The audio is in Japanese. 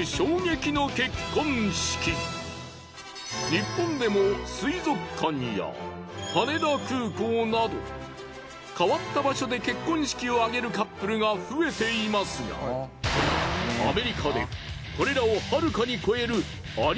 日本でも水族館や羽田空港など変わった場所で結婚式を挙げるカップルが増えていますがアメリカでこれらをはるかに超えるあり